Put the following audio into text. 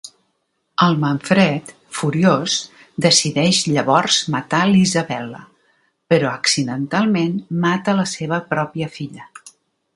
El Manfred, furiós, decideix llavors matar l'Isabella, però accidentalment mata la seva pròpia filla.